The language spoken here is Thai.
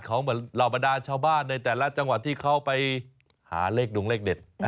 เขาเหมือนเหล่าบรรดาชาวบ้านในแต่ละจังหวัดที่เขาไปหาเลขดงเลขเด็ด